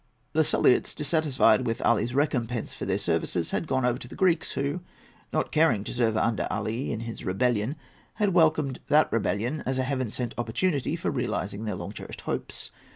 The Suliots, dissatisfied with Ali's recompense for their services, had gone over to the Greeks, who, not caring to serve under Ali in his rebellion, had welcomed that rebellion as a Heaven sent opportunity for realising their long cherished hopes.